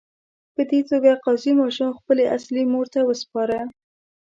په دې توګه قاضي ماشوم خپلې اصلي مور ته وسپاره.